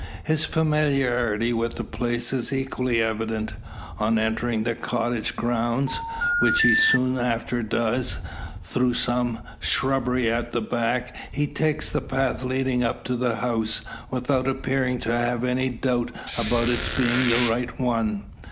His familiarity with the place is equally evident. On entering the cottage grounds, which he soon after does, through, some shrubbery at the back, he takes the path leading up to the house, without appearing to have any doubt about its being the right one.